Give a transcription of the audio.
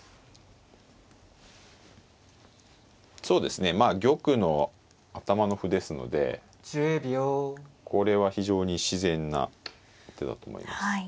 そうですねまあ玉の頭の歩ですのでこれは非常に自然な手だと思います。